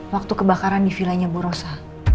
waktu kebakaran di vilanya bu rosa